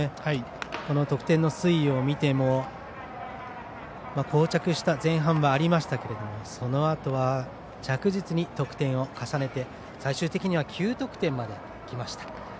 この得点の推移を見てもこう着した前半はありましたがそのあとは着実に得点を重ねて最終的には９得点まで来ました。